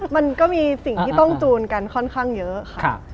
มันก็มีสิ่งที่ต้องจูนกันค่อนข้างเยอะค่ะ